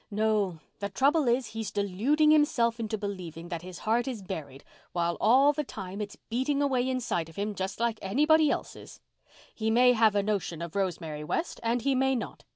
No, the trouble is, he's deluding himself into believing that his heart is buried, while all the time it's beating away inside of him just like anybody else's. He may have a notion of Rosemary West and he may not.